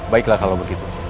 baiklah kalau begitu